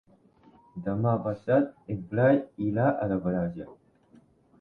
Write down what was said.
Demà passat en Blai irà a la platja.